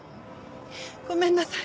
ごめんなさい。